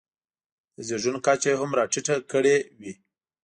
د زېږون کچه یې هم راټیټه کړې وي.